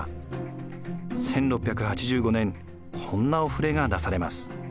１６８５年こんなおふれが出されます。